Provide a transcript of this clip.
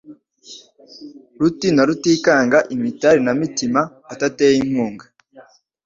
Ruti rutikanga imitari nta mitima atateye inkunga